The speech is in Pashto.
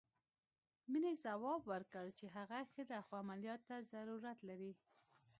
مينې ځواب ورکړ چې هغه ښه ده خو عمليات ته ضرورت لري.